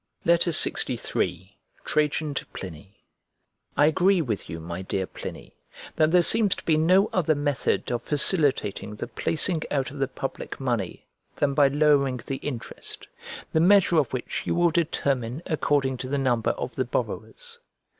LXIII TRAJAN TO PLINY I AGREE with you, my dear Pliny, that there seems to be no other method of facilitating the placing out of the public money than by lowering the interest; the measure of which you will determine according to the number of the borrowers.